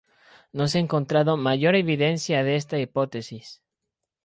No se ha encontrado mayor evidencia de esta hipótesis.